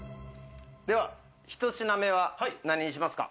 では１品目は何にしますか？